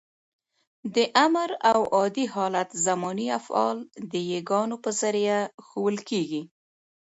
د امر او عادي حالت زماني افعال د يګانو په ذریعه ښوول کېږي.